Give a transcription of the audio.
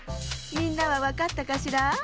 みんなはわかったかしら？